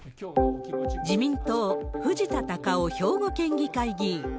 自民党、藤田孝夫兵庫県議会議員。